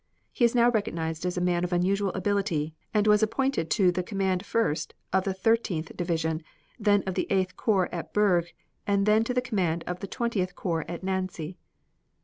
He was now recognized as a man of unusual ability and was appointed to the command first, of the Thirteenth division, then of the Eighth corps at Bourges, and then to the command of the Twentieth corps at Nancy.